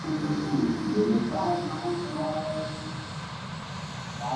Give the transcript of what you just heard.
senate committee کا P I A کے German C E O کو واپس لانے کا مطالبہ